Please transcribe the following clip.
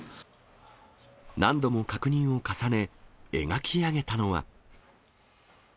何度も確認を重ね、描き上げたのは。